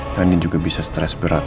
ini juga bisa stres berat